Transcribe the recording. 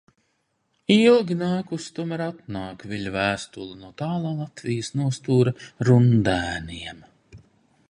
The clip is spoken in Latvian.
Ilgi nākusi, tomēr atnāk Viļa vēstule no tālā Latvijas nostūra Rundēniem.